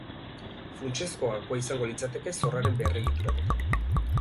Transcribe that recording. Funtsezko gakoa izango litzateke zorraren berregituraketa.